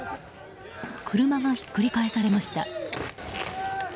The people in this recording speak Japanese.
車がひっくり返されました。